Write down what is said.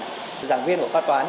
giảng viên của khoa toán